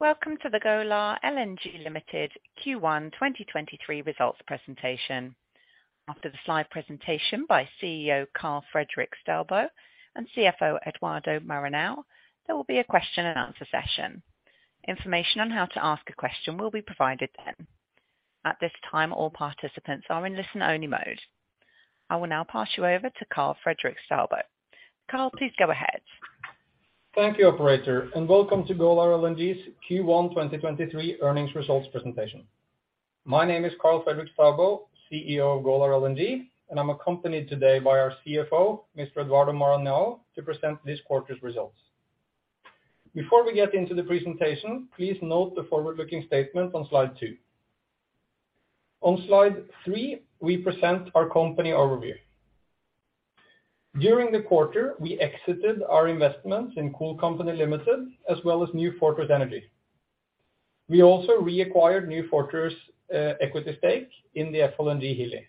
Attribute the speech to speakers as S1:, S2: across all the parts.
S1: Welcome to the Golar LNG Limited Q1 2023 results presentation. After the slide presentation by CEO Karl Fredrik Staubo and CFO Eduardo Maranhão, there will be a question and answer session. Information on how to ask a question will be provided then. At this time, all participants are in listen-only mode. I will now pass you over to Karl Fredrik Staubo. Karl, please go ahead.
S2: Thank you, operator, welcome to Golar LNG's Q1 2023 earnings results presentation. My name is Karl Fredrik Staubo, CEO of Golar LNG, and I'm accompanied today by our CFO, Mr. Eduardo Maranhão, to present this quarter's results. Before we get into the presentation, please note the forward-looking statement on slide two. On slide three, we present our company overview. During the quarter, we exited our investments in Cool Company Limited, as well as New Fortress Energy. We also reacquired New Fortress equity stake in the FLNG Hilli.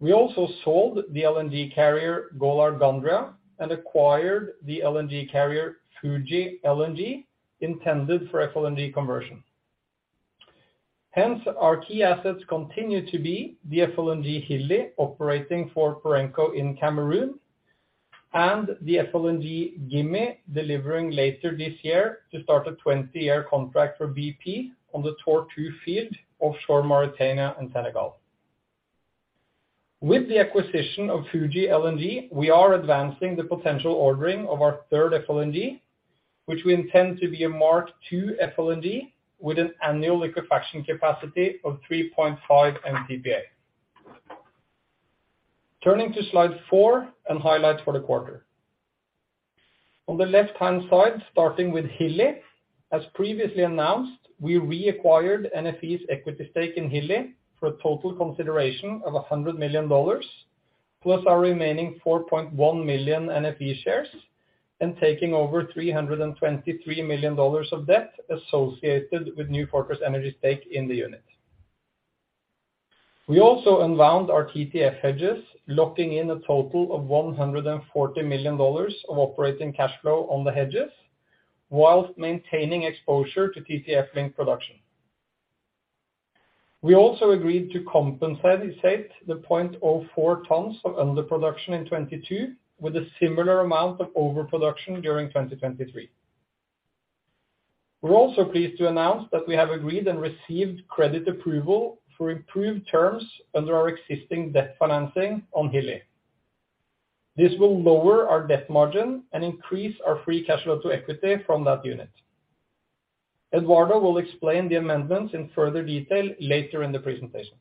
S2: We also sold the LNG carrier, Golar Gandria, and acquired the LNG carrier, Fuji LNG, intended for FLNG conversion. Hence, our key assets continue to be the FLNG Hilli, operating for Perenco in Cameroon, and the FLNG Gimi, delivering later this year to start a 20-year contract for BP on the Tortue field offshore Mauritania and Senegal. With the acquisition of Fuji LNG, we are advancing the potential ordering of our third FLNG, which we intend to be a MK II FLNG, with an annual liquefaction capacity of 3.5 MTPA. Turning to slide four and highlights for the quarter. On the left-hand side, starting with Hilli, as previously announced, we reacquired NFE's equity stake in Hilli for a total consideration of $100 million+ our remaining 4.1 million NFE shares, and taking over $323 million of debt associated with New Fortress Energy stake in the unit. We also unwound our TTF hedges, locking in a total of $140 million of operating cash flow on the hedges, while maintaining exposure to TTF link production. We also agreed to compensate the 0.04 tons of underproduction in 2022, with a similar amount of overproduction during 2023. We're also pleased to announce that we have agreed and received credit approval for improved terms under our existing debt financing on Hilli. This will lower our debt margin and increase our free cash flow to equity from that unit. Eduardo will explain the amendments in further detail later in the presentation.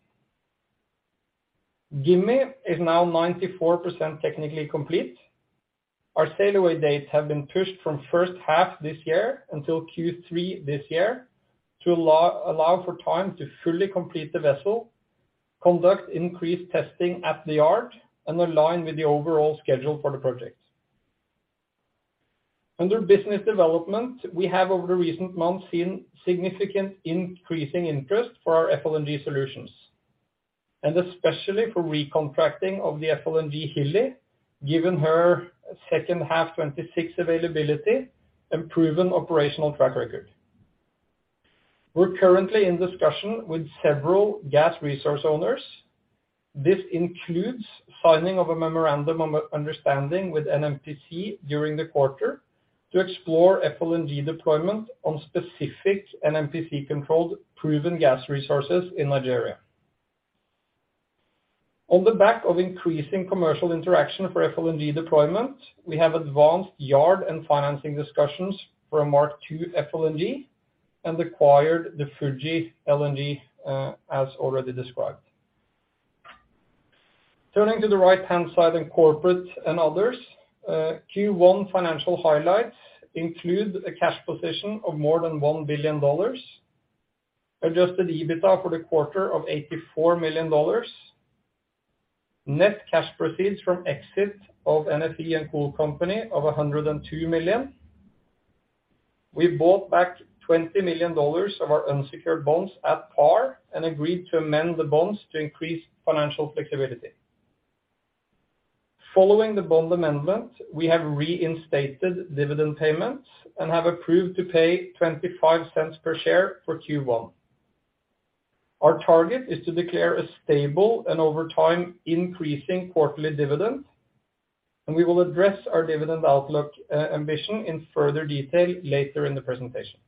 S2: Gimi is now 94% technically complete. Our sail away dates have been pushed from first half this year until Q3 this year to allow for time to fully complete the vessel, conduct increased testing at the yard, and align with the overall schedule for the project. Under business development, we have, over the recent months, seen significant increasing interest for our FLNG solutions, and especially for recontracting of the FLNG Hilli, given her second half 2026 availability and proven operational track record. We're currently in discussion with several gas resource owners. This includes signing of a memorandum of understanding with NNPC during the quarter to explore FLNG deployment on specific NNPC-controlled proven gas resources in Nigeria. On the back of increasing commercial interaction for FLNG deployment, we have advanced yard and financing discussions for a MK II FLNG and acquired the Fuji LNG, as already described. Turning to the right-hand side in corporate and others, Q1 financial highlights include a cash position of more than $1 billion, adjusted EBITDA for the quarter of $84 million, net cash proceeds from exit of NFE and Cool Company of $102 million. We bought back $20 million of our unsecured bonds at par and agreed to amend the bonds to increase financial flexibility. Following the bond amendment, we have reinstated dividend payments and have approved to pay $0.25 per share for Q1. Our target is to declare a stable and over time, increasing quarterly dividend. We will address our dividend outlook ambition in further detail later in the presentation.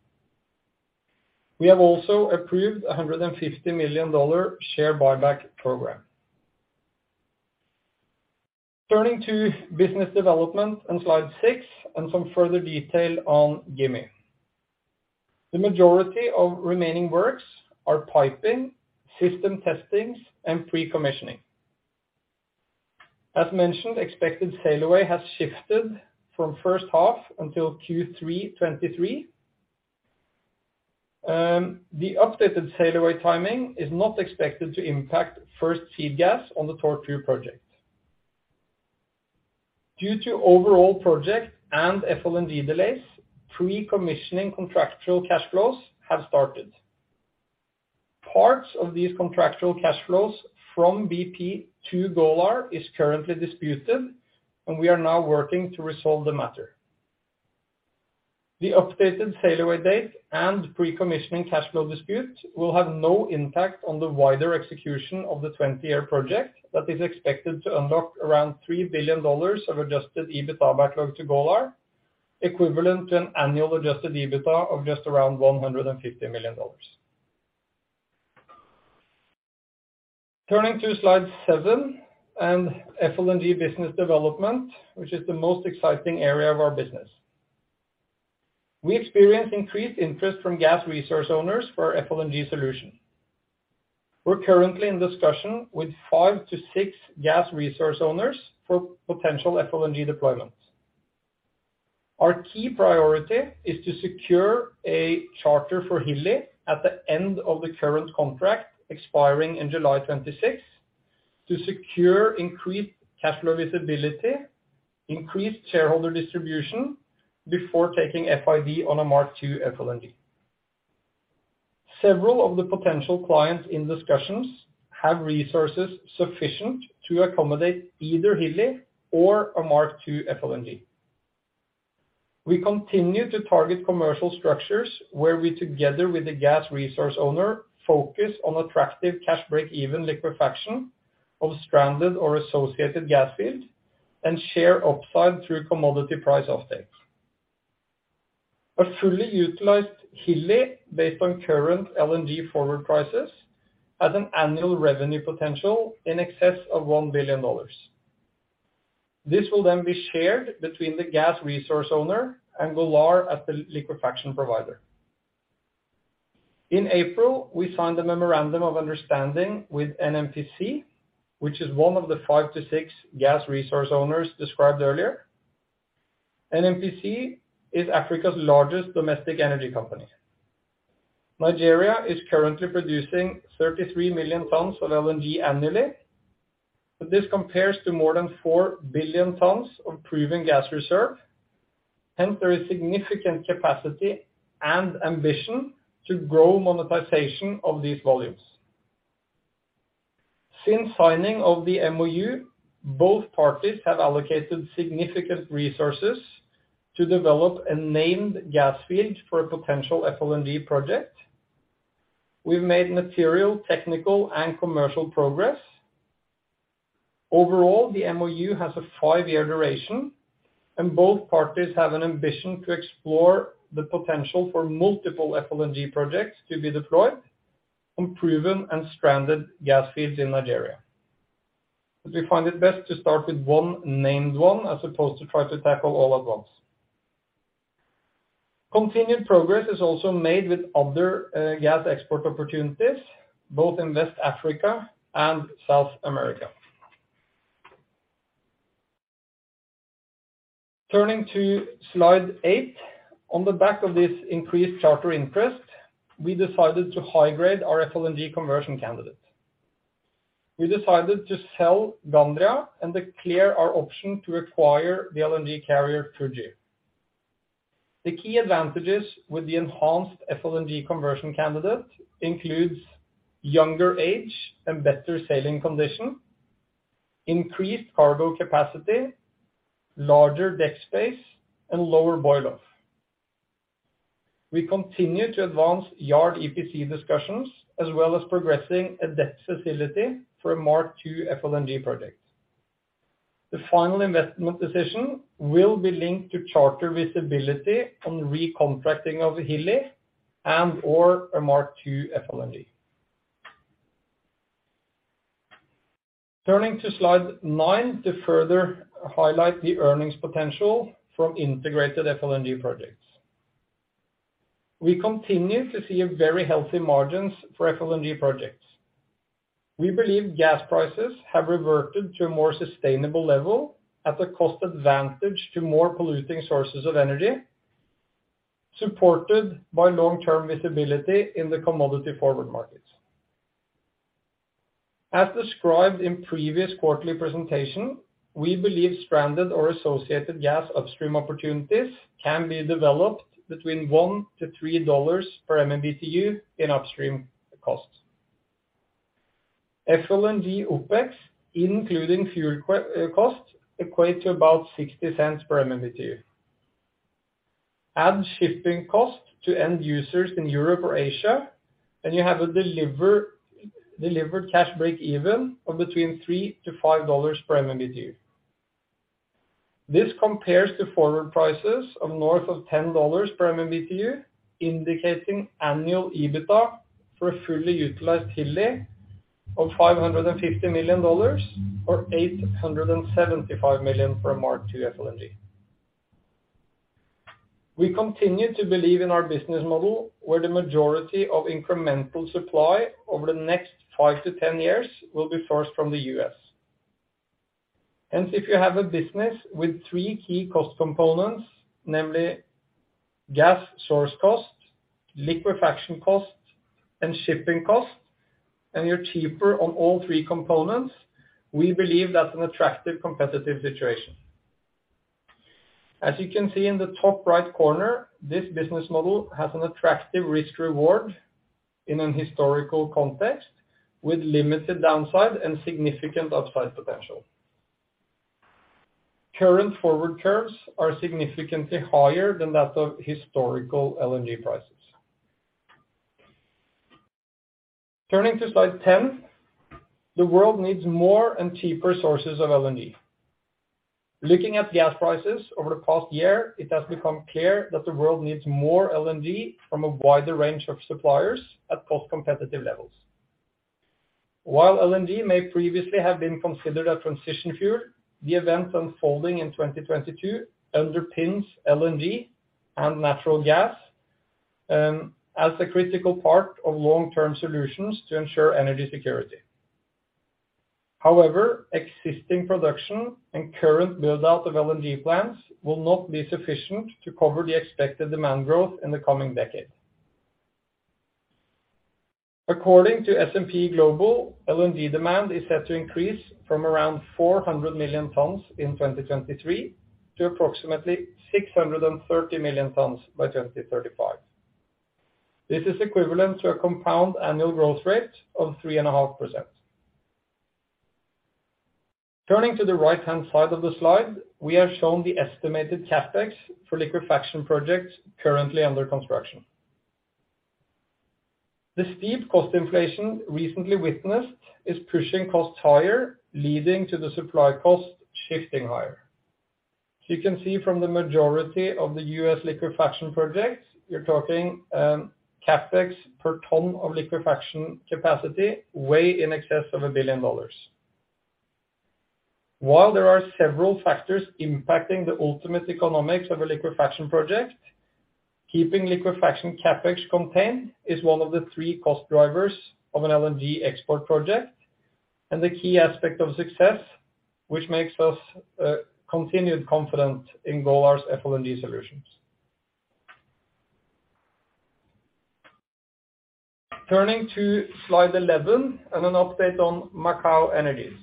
S2: We have also approved a $150 million share buyback program. Turning to business development on slide 6 and some further detail on Gimi. The majority of remaining works are piping, system testings, and pre-commissioning. As mentioned, expected sail away has shifted from first half until Q3 2023. The updated sail away timing is not expected to impact first seed gas on the Tortue project. Due to overall project and FLNG delays, pre-commissioning contractual cash flows have started. Parts of these contractual cash flows from BP to Golar is currently disputed, and we are now working to resolve the matter. The updated sail away date and pre-commissioning cash flow dispute will have no impact on the wider execution of the 20-year project, that is expected to unlock around $3 billion of adjusted EBITDA backlog to Golar, equivalent to an annual adjusted EBITDA of just around $150 million. Turning to slide seven, FLNG business development, which is the most exciting area of our business. We experience increased interest from gas resource owners for our FLNG solution. We're currently in discussion with five to six gas resource owners for potential FLNG deployments. Our key priority is to secure a charter for Hilli at the end of the current contract, expiring in July 2026, to secure increased cash flow visibility, increased shareholder distribution before taking FID on a MK II FLNG. Several of the potential clients in discussions have resources sufficient to accommodate either Hilli or a MK II FLNG. We continue to target commercial structures, where we, together with the gas resource owner, focus on attractive cash breakeven liquefaction of stranded or associated gas fields, and share upside through commodity price offtake. A fully utilized Hilli, based on current LNG forward prices, has an annual revenue potential in excess of $1 billion. This will then be shared between the gas resource owner and Golar as the liquefaction provider. In April, we signed a memorandum of understanding with NNPC, which is one of the five to six gas resource owners described earlier. NNPC is Africa's largest domestic energy company. Nigeria is currently producing 33 million tons of LNG annually, this compares to more than 4 billion tons of proven gas reserve. Hence, there is significant capacity and ambition to grow monetization of these volumes. Since signing of the MOU, both parties have allocated significant resources to develop a named gas field for a potential FLNG project. We've made material, technical and commercial progress. Overall, the MOU has a five-year duration, and both parties have an ambition to explore the potential for multiple FLNG projects to be deployed on proven and stranded gas fields in Nigeria. We find it best to start with one named one, as opposed to try to tackle all at once. Continued progress is also made with other gas export opportunities, both in West Africa and South America. Turning to slide eight. On the back of this increased charter interest, we decided to high-grade our FLNG conversion candidate. We decided to sell Gandria and to clear our option to acquire the LNG carrier, Fuji. The key advantages with the enhanced FLNG conversion candidate includes younger age and better sailing condition, increased cargo capacity, larger deck space, and lower boil off. We continue to advance yard EPC discussions, as well as progressing a debt facility for a MK II FLNG project. The final investment decision will be linked to charter visibility on recontracting of Hilli and/or a MK II FLNG. Turning to slide nine to further highlight the earnings potential from integrated FLNG projects. We continue to see a very healthy margins for FLNG projects. We believe gas prices have reverted to a more sustainable level at a cost advantage to more polluting sources of energy, supported by long-term visibility in the commodity forward markets. As described in previous quarterly presentation, we believe stranded or associated gas upstream opportunities can be developed between $1-$3 per MMBtu in upstream costs. FLNG OpEx, including fuel costs, equate to about $0.60 per MMBtu. Add shipping costs to end users in Europe or Asia, you have a delivered cash breakeven of between $3-$5 per MMBtu. This compares to forward prices of north of $10 per MMBtu, indicating annual EBITDA for a fully utilized Hilli of $550 million, or $875 million for a MK II FLNG. We continue to believe in our business model, where the majority of incremental supply over the next 5-10 years will be sourced from the U.S. If you have a business with three key cost components, namely gas source costs, liquefaction costs, and shipping costs, and you're cheaper on all three components, we believe that's an attractive competitive situation. As you can see in the top right corner, this business model has an attractive risk reward in an historical context, with limited downside and significant upside potential. Current forward curves are significantly higher than that of historical LNG prices. Turning to slide 10, the world needs more and cheaper sources of LNG. Looking at gas prices over the past year, it has become clear that the world needs more LNG from a wider range of suppliers at cost competitive levels. While LNG may previously have been considered a transition fuel, the events unfolding in 2022 underpins LNG and natural gas as a critical part of long-term solutions to ensure energy security. Existing production and current build-out of LNG plants will not be sufficient to cover the expected demand growth in the coming decade. According to S&P Global, LNG demand is set to increase from around 400 million tons in 2023 to approximately 630 million tons by 2035. This is equivalent to a compound annual growth rate of 3.5%. Turning to the right-hand side of the slide, we have shown the estimated CapEx for liquefaction projects currently under construction. The steep cost inflation recently witnessed is pushing costs higher, leading to the supply cost shifting higher. You can see from the majority of the U.S. liquefaction projects, you're talking CapEx per ton of liquefaction capacity way in excess of $1 billion. While there are several factors impacting the ultimate economics of a liquefaction project, keeping liquefaction CapEx contained is one of the three cost drivers of an LNG export project, and the key aspect of success, which makes us continued confident in Golar's FLNG solutions. Turning to slide 11 and an update on Macaw Energies.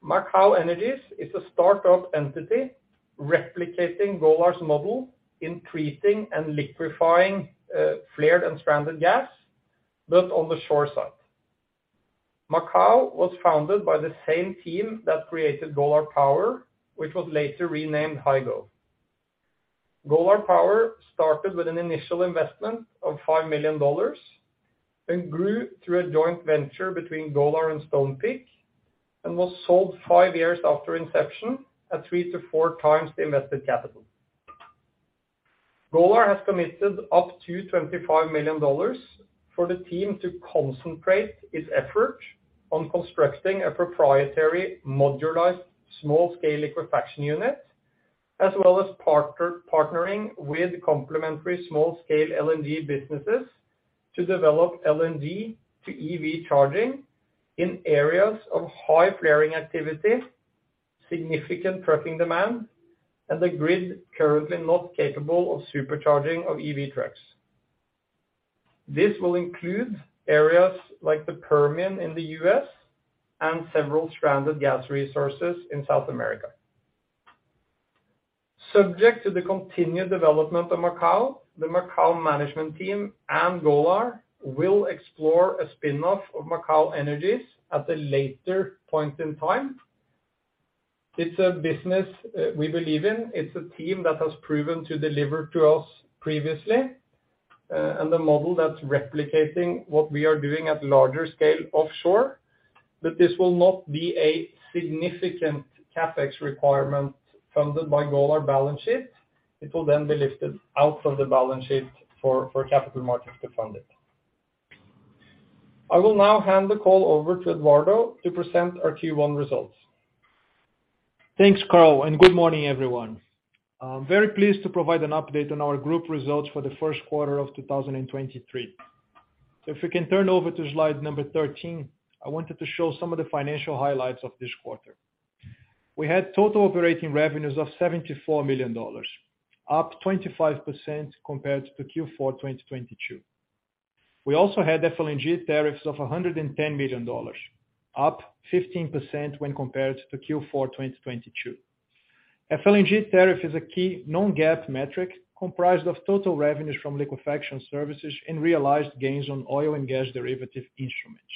S2: Macaw Energies is a start-up entity replicating Golar's model, increasing and liquefying flared and stranded gas, but on the shore side. Macaw was founded by the same team that created Golar Power, which was later renamed Hygo. Golar Power started with an initial investment of $5 million and grew through a joint venture between Golar and Stonepeak, and was sold five years after inception at three to four times the invested capital. Golar has committed up to $25 million for the team to concentrate its effort on constructing a proprietary, modularized, small-scale liquefaction unit, as well as partnering with complementary small-scale LNG businesses to develop LNG to EV charging in areas of high flaring activity, significant trucking demand, and the grid currently not capable of supercharging of EV trucks. This will include areas like the Permian in the US and several stranded gas resources in South America. Subject to the continued development of Macaw, the Macaw management team and Golar will explore a spin-off of Macaw Energies at a later point in time. It's a business we believe in. It's a team that has proven to deliver to us previously and a model that's replicating what we are doing at larger scale offshore. This will not be a significant CapEx requirement funded by Golar balance sheet. It will then be lifted out from the balance sheet for capital markets to fund it. I will now hand the call over to Eduardo to present our Q1 results.
S3: Thanks, Karl. Good morning, everyone. I'm very pleased to provide an update on our group results for the first quarter of 2023. If we can turn over to slide number 13, I wanted to show some of the financial highlights of this quarter. We had total operating revenues of $74 million, up 25% compared to Q4 2022. We also had FLNG tariffs of $110 million, up 15% when compared to Q4 2022. FLNG tariff is a key non-GAAP metric comprised of total revenues from liquefaction services and realized gains on oil and gas derivative instruments.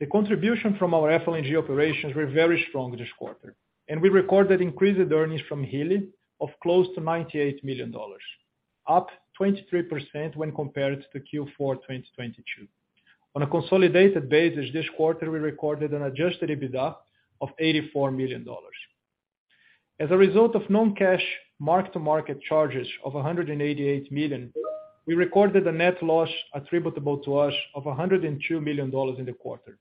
S3: The contribution from our FLNG operations were very strong this quarter. We recorded increased earnings from Hilli of close to $98 million, up 23% when compared to Q4 2022. On a consolidated basis, this quarter, we recorded an adjusted EBITDA of $84 million. As a result of non-cash mark-to-market charges of $188 million, we recorded a net loss attributable to us of $102 million in the quarter.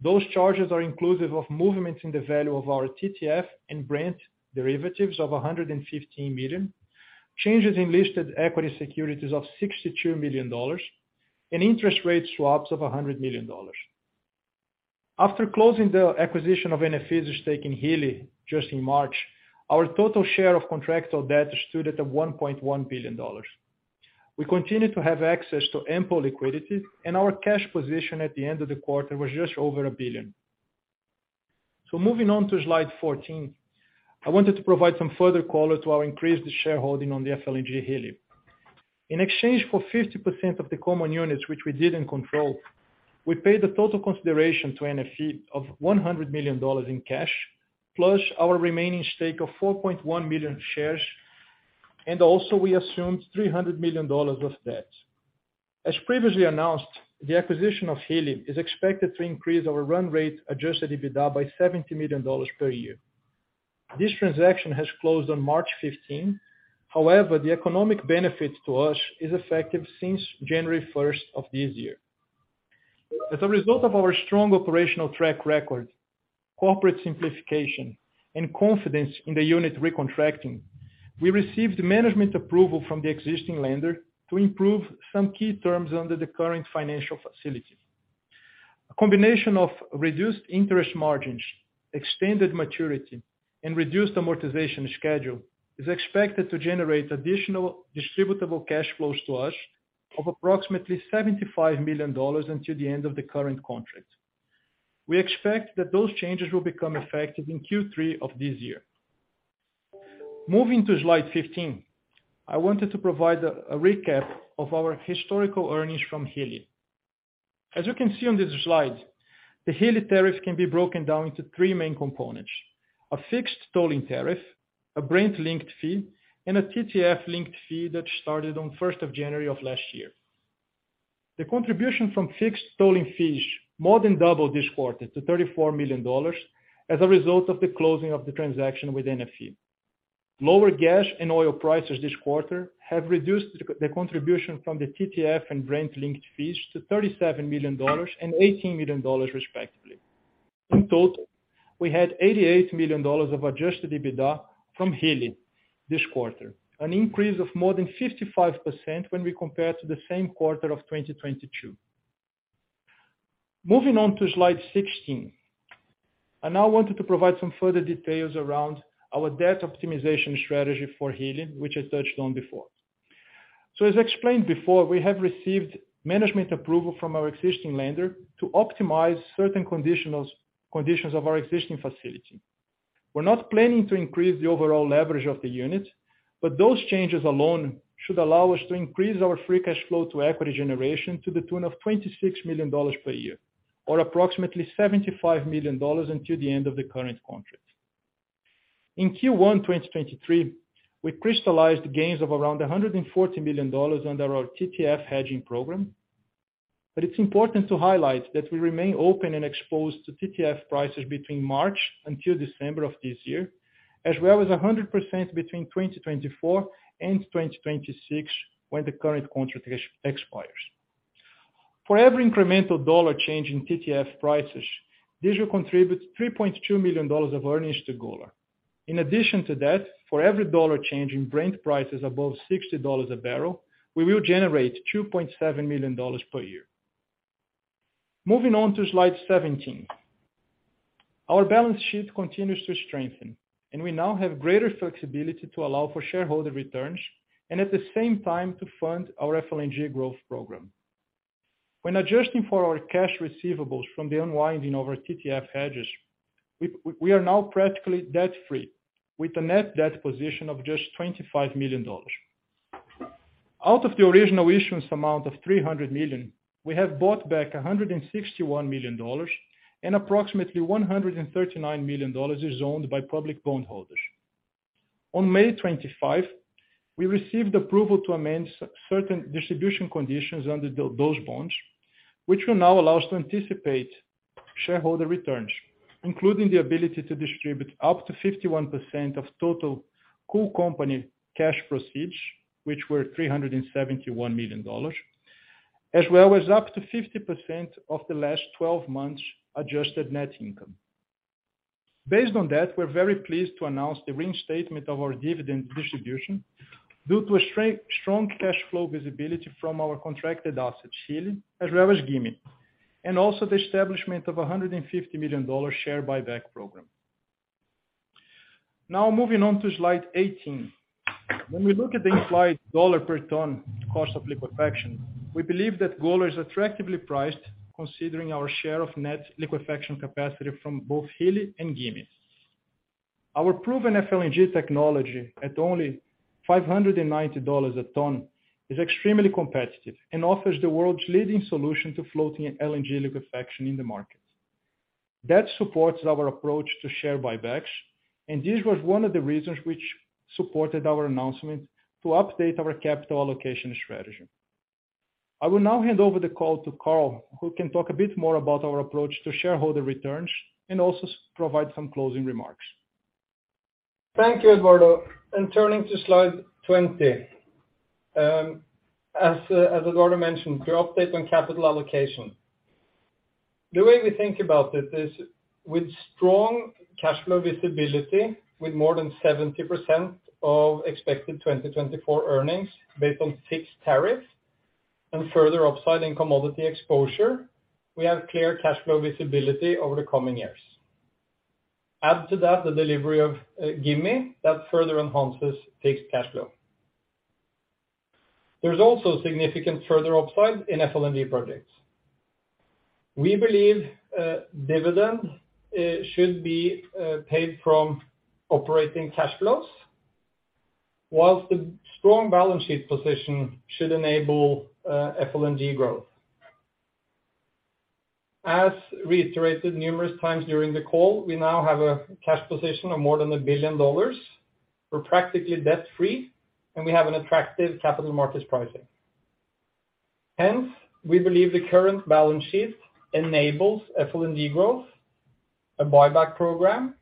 S3: Those charges are inclusive of movements in the value of our TTF and Brent derivatives of $115 million, changes in listed equity securities of $62 million, and interest rate swaps of $100 million. After closing the acquisition of NFE's stake in Hilli just in March, our total share of contractual debt stood at $1.1 billion. We continue to have access to ample liquidity, and our cash position at the end of the quarter was just over $1 billion. Moving on to slide 14, I wanted to provide some further color to our increased shareholding on the FLNG Hilli. In exchange for 50% of the common units, which we didn't control, we paid a total consideration to NFE of $100 million in cash, plus our remaining stake of 4.1 million shares, and also we assumed $300 million of debt. As previously announced, the acquisition of Hilli is expected to increase our run rate adjusted EBITDA by $70 million per year. This transaction has closed on March 15, however, the economic benefit to us is effective since January 1st of this year. As a result of our strong operational track record, corporate simplification, and confidence in the unit recontracting, we received management approval from the existing lender to improve some key terms under the current financial facility. A combination of reduced interest margins, extended maturity, and reduced amortization schedule is expected to generate additional distributable cash flows to us of approximately $75 million until the end of the current contract. We expect that those changes will become effective in Q3 of this year. Moving to slide 15, I wanted to provide a recap of our historical earnings from Hilli. As you can see on this slide, the Hilli tariff can be broken down into three main components: a fixed tolling tariff, a Brent-linked fee, and a TTF-linked fee that started on first of January of last year. The contribution from fixed tolling fees more than doubled this quarter to $34 million as a result of the closing of the transaction within a few. Lower gas and oil prices this quarter have reduced the contribution from the TTF and Brent-linked fees to $37 million and $18 million, respectively. In total, we had $88 million of adjusted EBITDA from Helix this quarter, an increase of more than 55% when we compare to the same quarter of 2022. Moving on to slide 16. I now wanted to provide some further details around our debt optimization strategy for Helix, which I touched on before. As explained before, we have received management approval from our existing lender to optimize certain conditions of our existing facility. We're not planning to increase the overall leverage of the unit, but those changes alone should allow us to increase our free cash flow to equity generation to the tune of $26 million per year, or approximately $75 million until the end of the current contract. In Q1, 2023, we crystallized gains of around $140 million under our TTF hedging program. It's important to highlight that we remain open and exposed to TTF prices between March until December of this year, as well as 100% between 2024 and 2026, when the current contract expires. For every incremental dollar change in TTF prices, this will contribute $3.2 million of earnings to Golar. In addition to that, for every dollar change in Brent prices above $60 a barrel, we will generate $2.7 million per year. Moving on to slide 17. Our balance sheet continues to strengthen, and we now have greater flexibility to allow for shareholder returns and at the same time to fund our FLNG growth program. When adjusting for our cash receivables from the unwinding of our TTF hedges, we are now practically debt-free, with a net debt position of just $25 million. Out of the original issuance amount of $300 million, we have bought back $161 million, and approximately $139 million is owned by public bondholders. On May 25, we received approval to amend certain distribution conditions under those bonds, which will now allow us to anticipate shareholder returns, including the ability to distribute up to 51% of total Cool Company cash proceeds, which were $371 million, as well as up to 50% of the last 12 months adjusted net income. Based on that, we're very pleased to announce the reinstatement of our dividend distribution due to a strong cash flow visibility from our contracted assets, Hilli, as well as Gimi, and also the establishment of a $150 million share buyback program. Now moving on to slide 18. When we look at the implied dollar per ton cost of liquefaction, we believe that Golar is attractively priced, considering our share of net liquefaction capacity from both Hilli and Gimi. Our proven FLNG technology at only $590 a ton is extremely competitive and offers the world's leading solution to floating LNG liquefaction in the market. That supports our approach to share buybacks. This was one of the reasons which supported our announcement to update our capital allocation strategy. I will now hand over the call to Karl, who can talk a bit more about our approach to shareholder returns and also provide some closing remarks.
S2: Thank you, Eduardo. Turning to slide 20, as Eduardo mentioned, the update on capital allocation. The way we think about this is with strong cash flow visibility, with more than 70% of expected 2024 earnings based on fixed tariffs and further upside in commodity exposure, we have clear cash flow visibility over the coming years. Add to that, the delivery of Gimi, that further enhances fixed cash flow. There's also significant further upside in FLNG projects. We believe dividend should be paid from operating cash flows, whilst the strong balance sheet position should enable FLNG growth. As reiterated numerous times during the call, we now have a cash position of more than $1 billion. We're practically debt-free, and we have an attractive capital markets pricing. Hence, we believe the current balance sheet enables FLNG growth, a buyback program,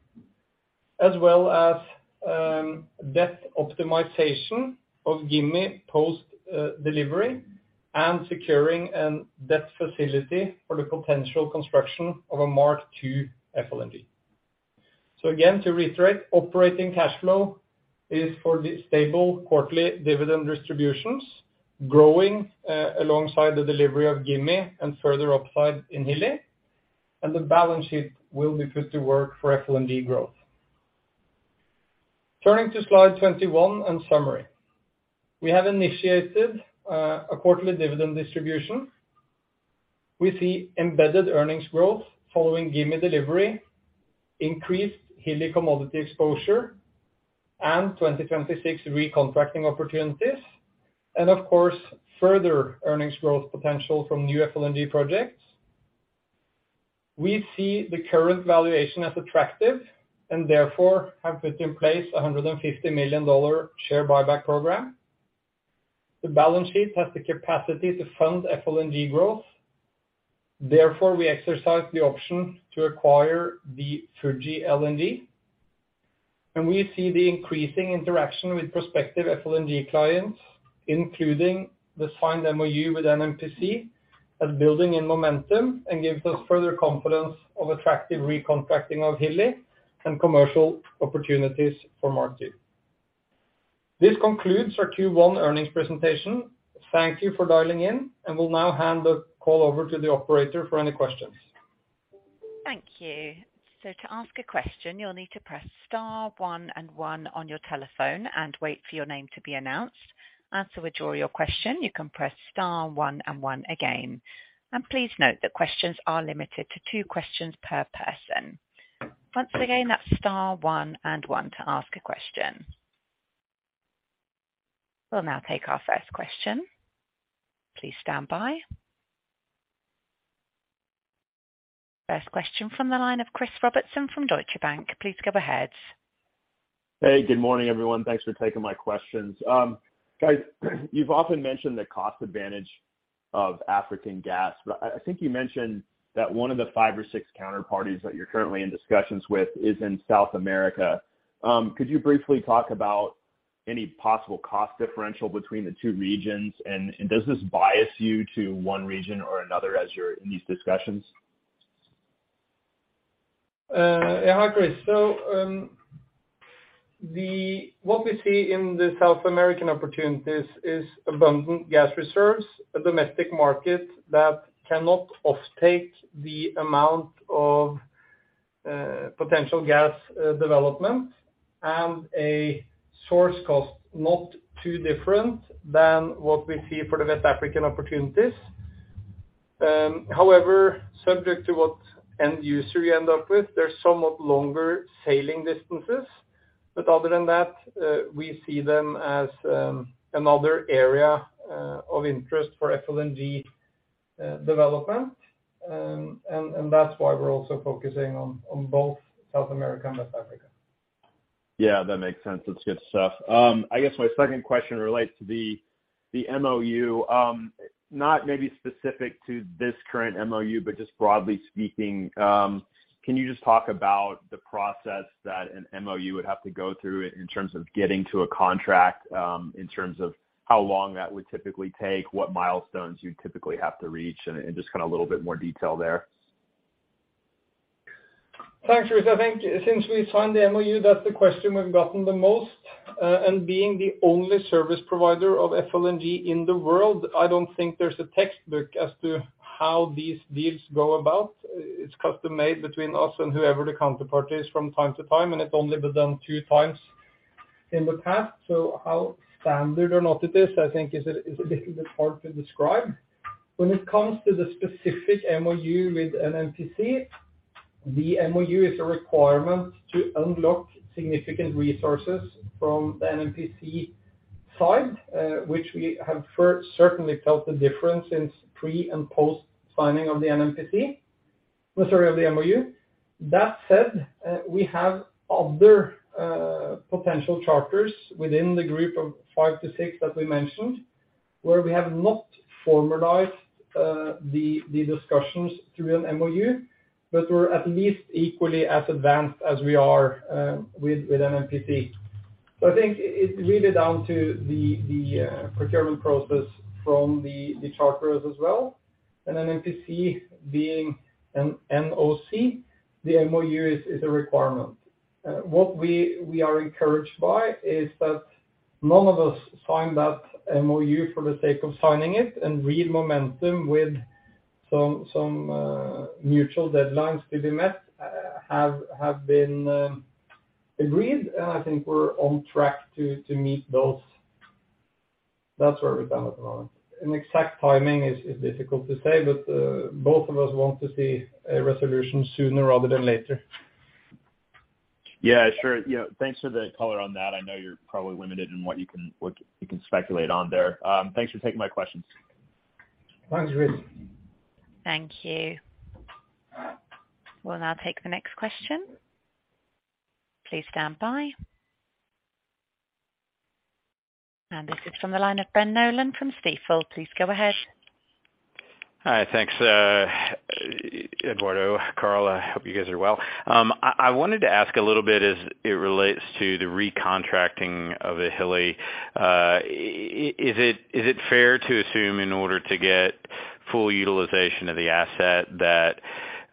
S2: as well as, debt optimization of Gimi post delivery, and securing an debt facility for the potential construction of a MK II FLNG. Again, to reiterate, operating cash flow is for the stable quarterly dividend distributions, growing alongside the delivery of Gimi and further upside in Hilli, and the balance sheet will be put to work for FLNG growth. Turning to slide 21 and summary. We have initiated a quarterly dividend distribution. We see embedded earnings growth following Gimi delivery, increased Hilli commodity exposure, and 2026 recontracting opportunities, and of course, further earnings growth potential from new FLNG projects. We see the current valuation as attractive and therefore have put in place a $150 million share buyback program. The balance sheet has the capacity to fund FLNG growth, therefore, we exercise the option to acquire the Fuji LNG. We see the increasing interaction with prospective FLNG clients, including the signed MoU with NNPC, as building in momentum and gives us further confidence of attractive recontracting of Hilli and commercial opportunities for MK II. This concludes our Q1 earnings presentation. Thank you for dialing in, and we'll now hand the call over to the operator for any questions.
S1: Thank you. To ask a question, you'll need to press star one and one on your telephone and wait for your name to be announced. To withdraw your question, you can press star one and one again. Please note that questions are limited to two questions per person. Once again, that's star one and one to ask a question. We'll now take our first question. Please stand by. First question from the line of Chris Robertson from Deutsche Bank. Please go ahead.
S4: Hey, good morning, everyone. Thanks for taking my questions. Guys, you've often mentioned the cost advantage of African gas, but I think you mentioned that one of the five or six counterparties that you're currently in discussions with is in South America. Could you briefly talk about any possible cost differential between the two regions? Does this bias you to one region or another as you're in these discussions?
S2: Yeah, hi, Chris. What we see in the South American opportunities is abundant gas reserves, a domestic market that cannot offtake the amount of potential gas development, and a source cost not too different than what we see for the West African opportunities. However, subject to what end user you end up with, there's somewhat longer sailing distances, but other than that, we see them as another area of interest for FLNG development. That's why we're also focusing on both South America and West Africa.
S4: Yeah, that makes sense. That's good stuff. I guess my second question relates to the MOU. Not maybe specific to this current MOU, but just broadly speaking, can you just talk about the process that an MOU would have to go through in terms of getting to a contract, in terms of how long that would typically take, what milestones you'd typically have to reach, and just kind of a little bit more detail there?
S2: Thanks, Chris. I think since we signed the MOU, that's the question we've gotten the most. Being the only service provider of FLNG in the world, I don't think there's a textbook as to how these deals go about. It's custom-made between us and whoever the counterparty is from time to time, and it's only been done two times in the past. How standard or not it is, I think is a little bit hard to describe. When it comes to the specific MOU with NNPC, the MOU is a requirement to unlock significant resources from the NNPC side, which we have certainly felt the difference since pre and post-signing of the NNPC, of the MOU. That said, we have other potential charters within the group of five to six that we mentioned, where we have not formalized the discussions through an MOU, but we're at least equally as advanced as we are with NNPC. I think it's really down to the procurement process from the charters as well. NNPC being an NOC, the MOU is a requirement. What we are encouraged by is that none of us sign that MOU for the sake of signing it, and real momentum with some mutual deadlines to be met have been agreed, and I think we're on track to meet those. That's where we stand at the moment. An exact timing is difficult to say, but both of us want to see a resolution sooner rather than later.
S4: Yeah, sure. Yeah, thanks for the color on that. I know you're probably limited in what you can, what you can speculate on there. Thanks for taking my questions.
S2: Thanks, Chris.
S1: Thank you. We'll now take the next question. Please stand by. This is from the line of Ben Nolan from Stifel. Please go ahead.
S5: Hi. Thanks, Eduardo, Karl, I hope you guys are well. I wanted to ask a little bit as it relates to the recontracting of the Hilli. Is it fair to assume in order to get full utilization of the asset that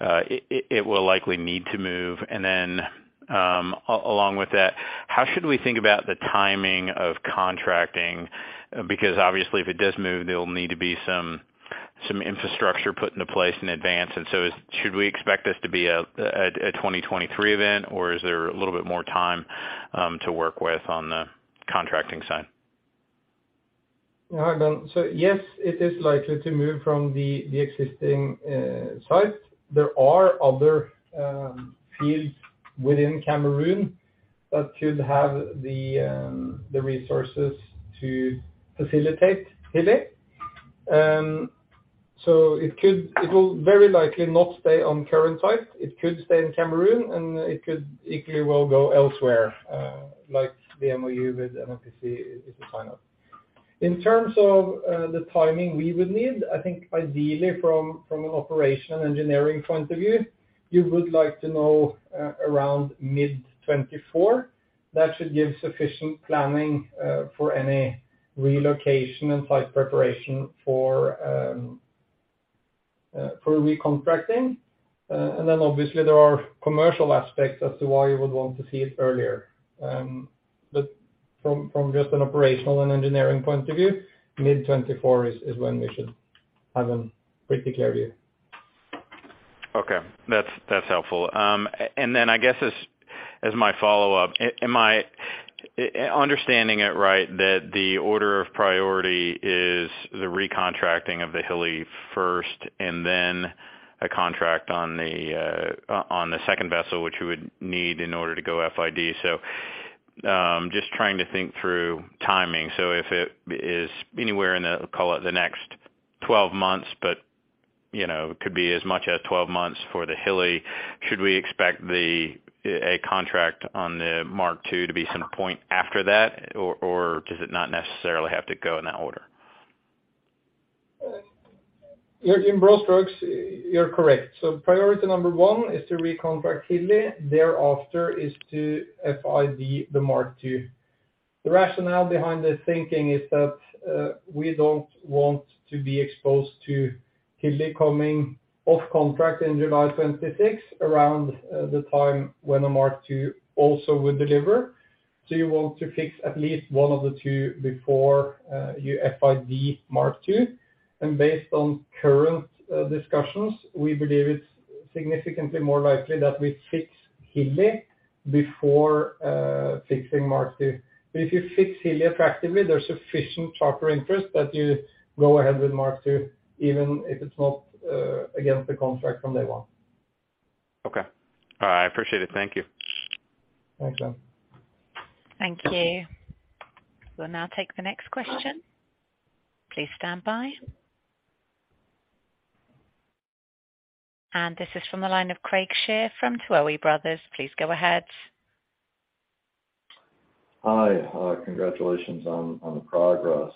S5: it will likely need to move? Along with that, how should we think about the timing of contracting? Because obviously, if it does move, there will need to be some infrastructure put into place in advance. Should we expect this to be a 2023 event, or is there a little bit more time to work with on the contracting side?
S2: Hi, Ben. Yes, it is likely to move from the existing site. There are other fields within Cameroon that should have the resources to facilitate Hilli. It will very likely not stay on current site. It could stay in Cameroon, and it could equally well go elsewhere, like the MOU with NNPC is a sign up. In terms of the timing we would need, I think ideally from an operational engineering point of view, you would like to know around mid-2024. That should give sufficient planning for any relocation and site preparation for recontracting. Obviously there are commercial aspects as to why you would want to see it earlier. From just an operational and engineering point of view, mid-2024 is when we should have a pretty clear view.
S5: Okay. That's helpful. And then I guess as my follow-up, am I understanding it right, that the order of priority is the recontracting of the Hilli first, and then a contract on the second vessel, which you would need in order to go FID? Just trying to think through timing. If it is anywhere in the, call it the next 12 months, but, you know, it could be as much as 12 months for the Hilli, should we expect a contract on the Mark II to be some point after that, or does it not necessarily have to go in that order?
S2: In broad strokes, you're correct. Priority number one is to recontract Hilli, thereafter is to FID the Mark II. The rationale behind this thinking is that we don't want to be exposed to Hilli coming off contract in July 2026, around the time when the Mark II also would deliver. You want to fix at least one of the two before you FID Mark II. Based on current discussions, we believe it's significantly more likely that we fix Hilli before fixing Mark II. If you fix Hilli attractively, there's sufficient charter interest that you go ahead with Mark II, even if it's not against the contract from day one.
S5: Okay. All right, I appreciate it. Thank you.
S2: Thanks, Ben.
S1: Thank you. We'll now take the next question. Please stand by. This is from the line of Craig Shere from Tuohy Brothers. Please go ahead.
S6: Hi, congratulations on the progress.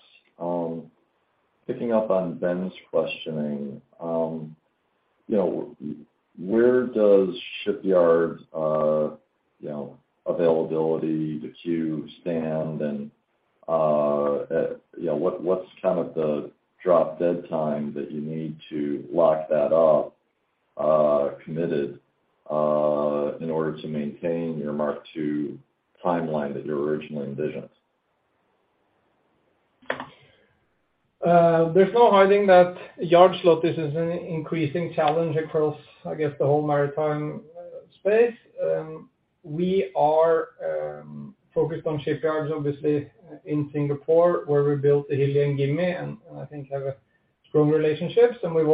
S6: Picking up on Ben's questioning, you know, where does shipyard, you know, availability, the queue stand, and you know, what's kind of the drop dead time that you need to lock that up, committed, in order to maintain your MK II timeline that you originally envisioned?
S2: There's no hiding that yard slot. This is an increasing challenge across the whole maritime space. We are focused on shipyards in Singapore, where we built the Hilli and Gimi, and have strong relationships. We've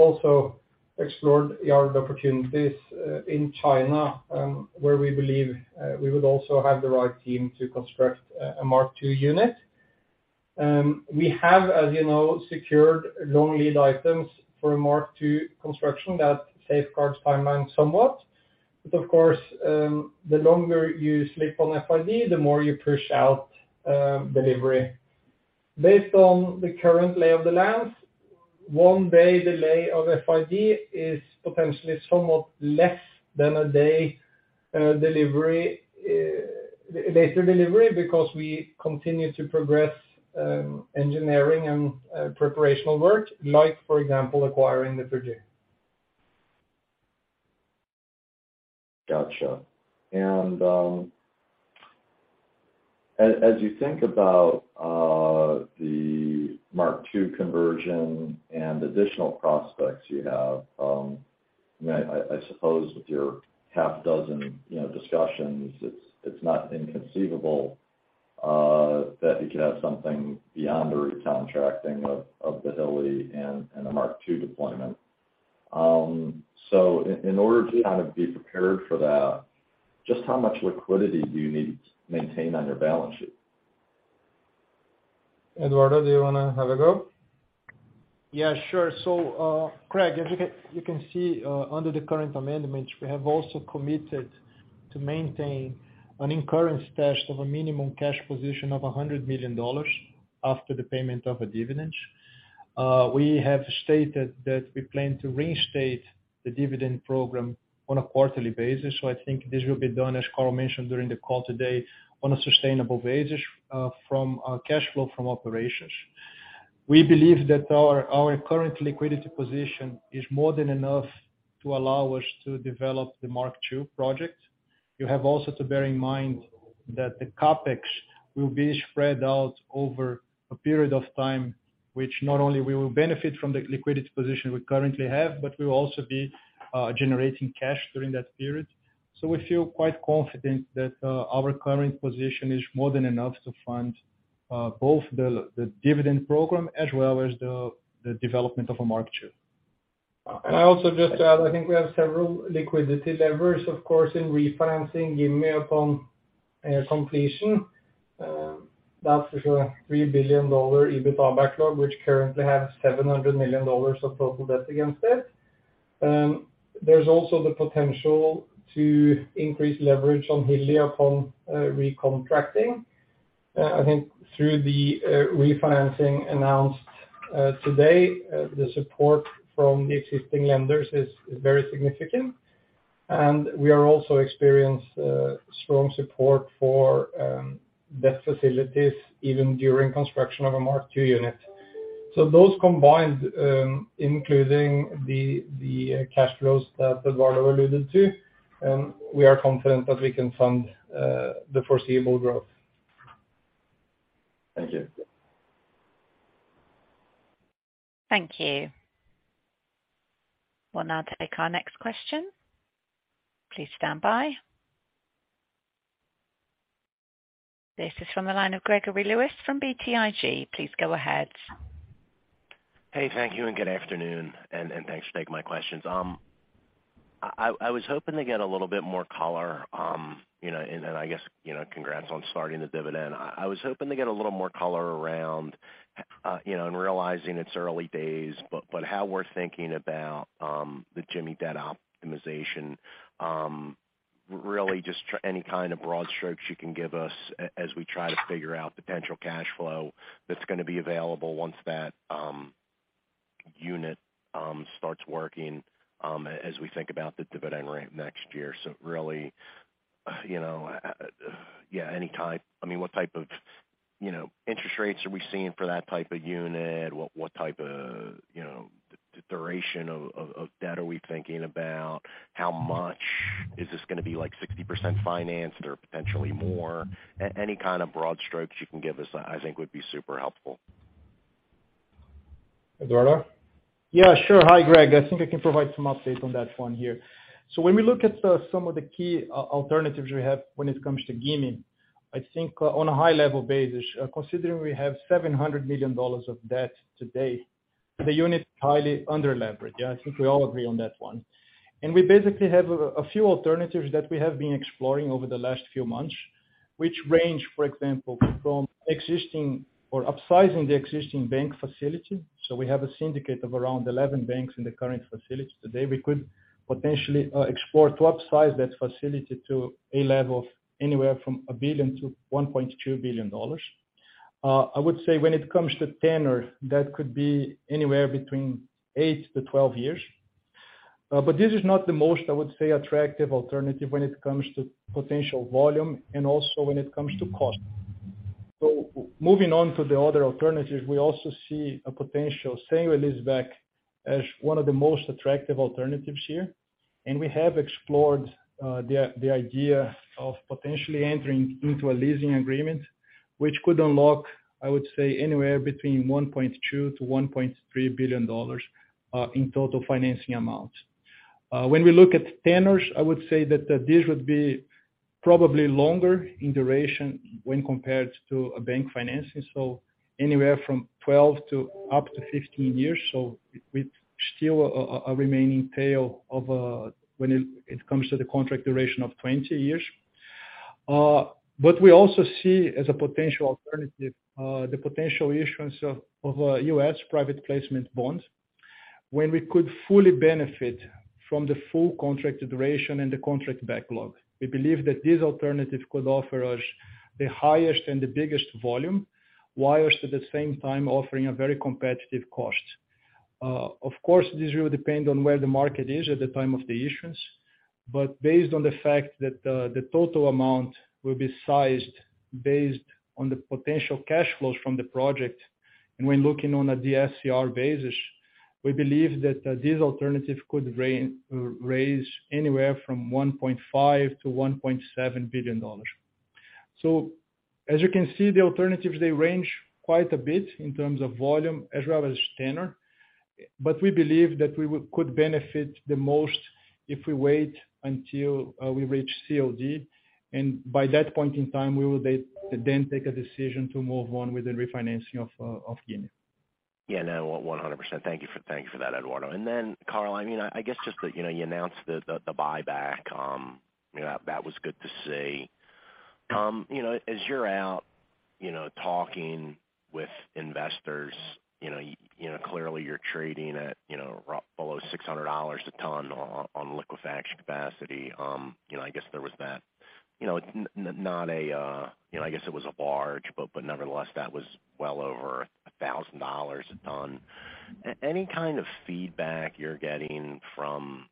S2: also explored yard opportunities in China, where we believe we would also have the right team to construct a MK II unit. We have secured long lead items for MK II construction that safeguards timeline somewhat. The longer you sleep on FID, the more you push out delivery. Based on the current lay of the land, one day delay of FID is potentially less than a day later delivery, because we continue to progress engineering and preparational work, acquiring the project.
S6: Gotcha. As you think about the MK II conversion and additional prospects you have, I suppose with your half dozen, you know, discussions, it's not inconceivable that you could have something beyond the recontracting of the Hilli and a MK II deployment. So in order to kind of be prepared for that, just how much liquidity do you need to maintain on your balance sheet?
S2: Eduardo, do you wanna have a go?
S3: Yeah, sure. Craig, as you can see, under the current amendment, we have also committed to maintain an incurrence test of a minimum cash position of $100 million after the payment of a dividend. We have stated that we plan to reinstate the dividend program on a quarterly basis. I think this will be done, as Karl mentioned during the call today, on a sustainable basis, from cash flow from operations. We believe that our current liquidity position is more than enough to allow us to develop the Mark II project. You have also to bear in mind that the CapEx will be spread out over a period of time, which not only we will benefit from the liquidity position we currently have, but we will also be generating cash during that period. We feel quite confident that our current position is more than enough to fund both the dividend program as well as the development of a MK II.
S2: I also just add, I think we have several liquidity levers, of course, in refinancing Gimi upon completion. That's a $3 billion EBITDA backlog, which currently has $700 million of total debt against it. There's also the potential to increase leverage on Hilli upon recontracting. I think through the refinancing announced today, the support from the existing lenders is very significant. We are also experienced strong support for debt facilities, even during construction of a Mark II unit. Those combined, including the cash flows that Eduardo alluded to, we are confident that we can fund the foreseeable growth.
S6: Thank you.
S1: Thank you. We'll now take our next question. Please stand by. This is from the line of Gregory Lewis from BTIG. Please go ahead.
S7: Hey, thank you, and good afternoon, and thanks for taking my questions. I was hoping to get a little bit more color, you know, and I guess, you know, congrats on starting the dividend. I was hoping to get a little more color around, you know, and realizing it's early days, but how we're thinking about the Gimi debt optimization. Really just any kind of broad strokes you can give us as we try to figure out the potential cash flow that's gonna be available once that unit starts working, as we think about the dividend rate next year. Really, you know, yeah, I mean, what type of, you know, interest rates are we seeing for that type of unit? What type of, you know, the duration of debt are we thinking about? How much, is this gonna be like 60% financed or potentially more? Any kind of broad strokes you can give us, I think, would be super helpful.
S2: Eduardo?
S3: Yeah, sure. Hi, Greg. I think I can provide some update on that one here. When we look at some of the key alternatives we have when it comes to Gimi, I think on a high level basis, considering we have $700 million of debt today, the unit is highly underleveraged. Yeah, I think we all agree on that one. We basically have a few alternatives that we have been exploring over the last few months, which range, for example, from existing or upsizing the existing bank facility. We have a syndicate of around 11 banks in the current facility. Today, we could potentially explore to upsize that facility to a level of anywhere from $1 billion-$1.2 billion. I would say when it comes to tenor, that could be anywhere between 8-12 years. This is not the most, I would say, attractive alternative when it comes to potential volume and also when it comes to cost. Moving on to the other alternatives, we also see a potential sale and lease back as one of the most attractive alternatives here, and we have explored the idea of potentially entering into a leasing agreement, which could unlock, I would say, anywhere between $1.2 billion-$1.3 billion in total financing amount. When we look at tenors, I would say that this would be probably longer in duration when compared to a bank financing, so anywhere from 12-15 years. With still a remaining tail of when it comes to the contract duration of 20 years. We also see as a potential alternative the potential issuance of U.S. private placement bonds, when we could fully benefit from the full contract duration and the contract backlog. We believe that this alternative could offer us the highest and the biggest volume, whilst at the same time offering a very competitive cost. Of course, this will depend on where the market is at the time of the issuance, but based on the fact that the total amount will be sized based on the potential cash flows from the project, and we're looking on a DSCR basis. We believe that these alternatives could raise anywhere from $1.5 billion-$1.7 billion. As you can see, the alternatives, they range quite a bit in terms of volume as well as tenor, but we believe that we could benefit the most if we wait until we reach COD. By that point in time, we will then take a decision to move on with the refinancing of Gimi.
S7: Yeah, no, 100%. Thank you for, thank you for that, Eduardo Maranhão. Karl, I mean, I guess just that, you know, you announced the buyback, you know, that was good to see. You know, as you're out, you know, talking with investors, you know, clearly you're trading at, you know, below $600 a ton on liquefaction capacity. You know, I guess there was that, you know, not a, you know, I guess it was a barge, but nevertheless, that was well over $1,000 a ton. Any kind of feedback you're getting from,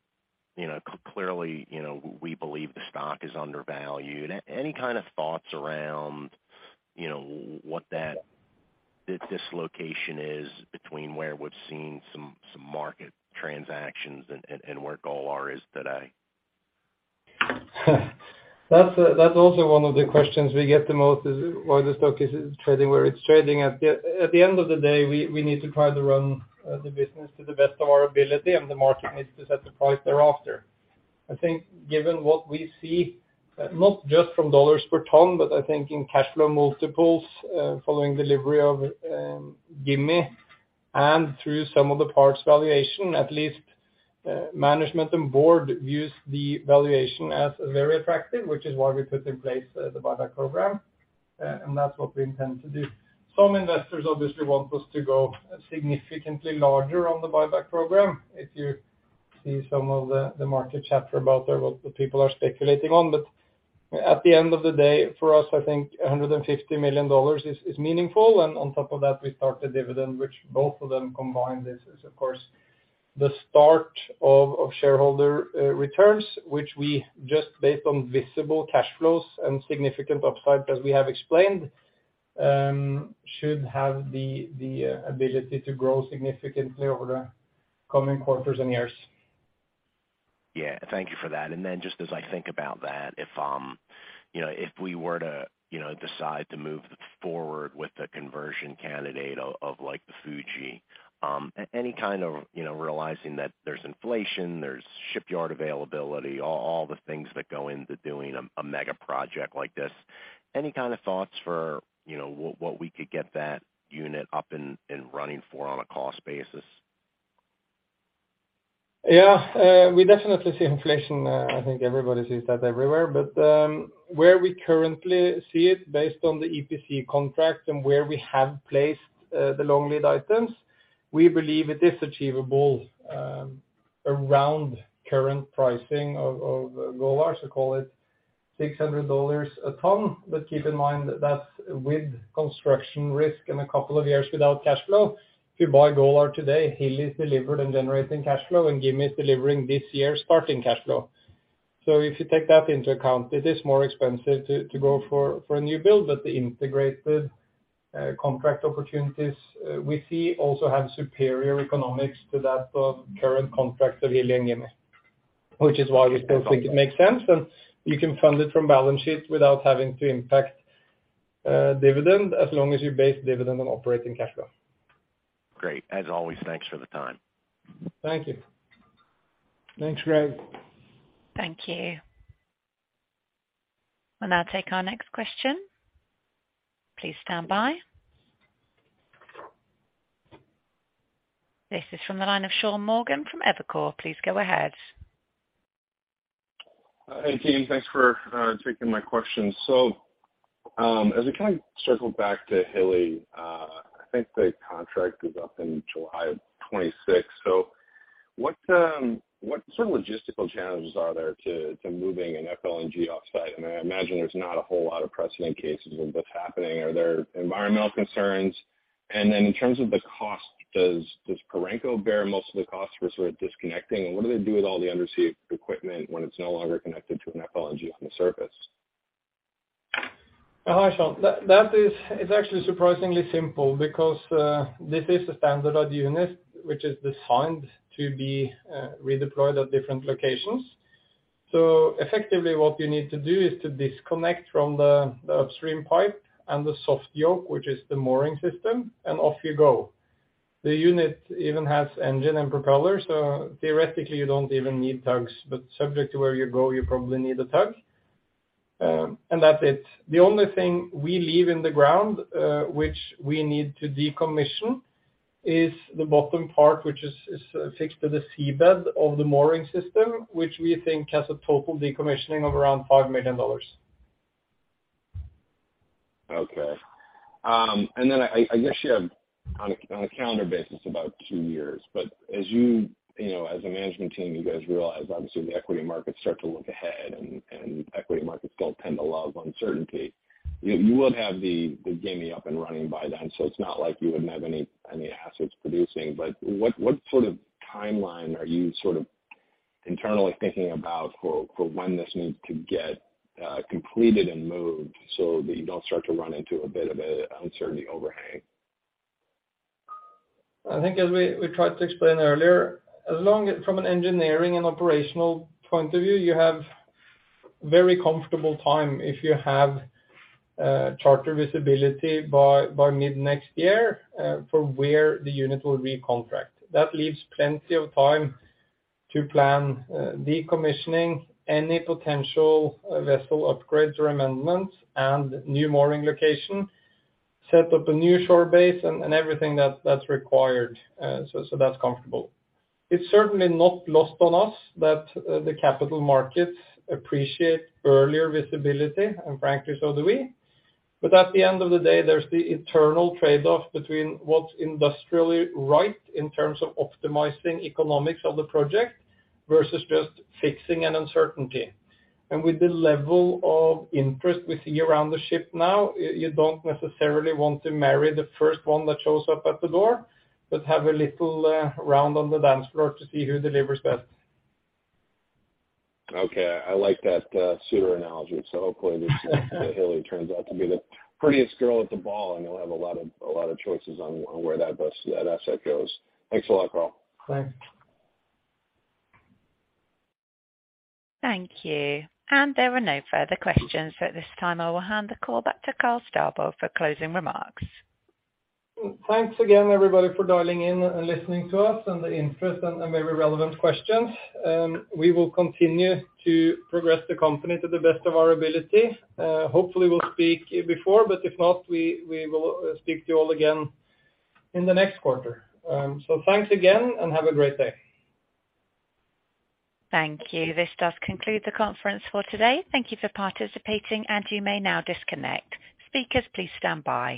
S7: you know, clearly, you know, we believe the stock is undervalued? Any kind of thoughts around, you know, what that, this location is between where we've seen some market transactions and where Golar is today?
S2: That's also one of the questions we get the most, is why the stock is trading, where it's trading. At the end of the day, we need to try to run the business to the best of our ability. The market needs to set the price thereafter. I think given what we see, not just from $ per ton, but I think in cash flow multiples, following delivery of Gimi and through some of the parts valuation, at least, management and board views the valuation as very attractive, which is why we put in place the buyback program. That's what we intend to do. Some investors obviously want us to go significantly larger on the buyback program. If you see some of the market chatter about what the people are speculating on. At the end of the day, for us, I think $150 million is meaningful. On top of that, we start the dividend, which both of them combined, is of course, the start of shareholder returns, which we just based on visible cash flows and significant upside, as we have explained, should have the ability to grow significantly over the coming quarters and years.
S7: Yeah. Thank you for that. Then just as I think about that, if, you know, if we were to, you know, decide to move forward with the conversion candidate of like the Fuji, any kind of, you know, realizing that there's inflation, there's shipyard availability, all the things that go into doing a mega project like this, any kind of thoughts for, you know, what we could get that unit up and running for on a cost basis?
S2: Yeah. We definitely see inflation. I think everybody sees that everywhere. Where we currently see it based on the EPC contract and where we have placed the long lead items, we believe it is achievable around current pricing of Golar, so call it $600 a ton. Keep in mind that's with construction risk and a couple of years without cash flow. If you buy Golar today, Hilli is delivered and generating cash flow, and Gimi is delivering this year, starting cash flow. If you take that into account, it is more expensive to go for a new build. The integrated contract opportunities we see also have superior economics to that of current contracts of Hilli and Gimi, which is why we still think it makes sense. You can fund it from balance sheet without having to impact dividend, as long as you base dividend on operating cash flow.
S7: Great! As always, thanks for the time.
S2: Thank you.
S3: Thanks, Greg.
S1: Thank you. We'll now take our next question. Please stand by. This is from the line of Sean Morgan from Evercore. Please go ahead.
S8: Hey, team. Thanks for taking my questions. As we kind of circle back to Hilli, I think the contract is up in July of 2026. What sort of logistical challenges are there to moving an FLNG offsite? I mean, I imagine there's not a whole lot of precedent cases of what's happening. Are there environmental concerns? In terms of the cost, does Perenco bear most of the cost for sort of disconnecting? What do they do with all the undersea equipment when it's no longer connected to an FLNG on the surface?
S2: Hi, Sean. That is, it's actually surprisingly simple because this is a standardized unit which is designed to be redeployed at different locations. Effectively, what you need to do is to disconnect from the upstream pipe and the soft yoke, which is the mooring system, and off you go. The unit even has engine and propellers, so theoretically, you don't even need tugs, but subject to where you go, you probably need a tug, and that's it. The only thing we leave in the ground, which we need to decommission, is the bottom part, which is fixed to the seabed of the mooring system, which we think has a total decommissioning of around $5 million.
S8: Okay. I guess you have, on a, on a calendar basis, about two years, but as you know, as a management team, you guys realize obviously, the equity markets start to look ahead, and equity markets don't tend to love uncertainty. You, you will have the Gimi up and running by then, so it's not like you wouldn't have any assets producing. What sort of timeline are you internally thinking about for when this needs to get completed and moved so that you don't start to run into a bit of a uncertainty overhang?
S2: I think as we tried to explain earlier, as long as from an engineering and operational point of view, you have very comfortable time if you have charter visibility by mid-next year for where the unit will be contract. That leaves plenty of time to plan decommissioning any potential vessel upgrades or amendments and new mooring location, set up a new shore base and everything that's required. So that's comfortable. It's certainly not lost on us that the capital markets appreciate earlier visibility, and frankly, so do we. At the end of the day, there's the internal trade-off between what's industrially right in terms of optimizing economics of the project versus just fixing an uncertainty. With the level of interest we see around the ship now, you don't necessarily want to marry the first one that shows up at the door, but have a little round on the dance floor to see who delivers best.
S8: Okay. I like that suitor analogy. Hopefully, the Hilli turns out to be the prettiest girl at the ball, and you'll have a lot of choices on where that asset goes. Thanks a lot, Karl.
S2: Thanks.
S1: Thank you. There are no further questions. At this time, I will hand the call back to Karl Staubo for closing remarks.
S2: Thanks again, everybody, for dialing in and listening to us, and the interest and very relevant questions. We will continue to progress the company to the best of our ability. Hopefully, we'll speak before, but if not, we will speak to you all again in the next quarter. Thanks again, and have a great day.
S1: Thank you. This does conclude the conference for today. Thank you for participating, and you may now disconnect. Speakers, please stand by.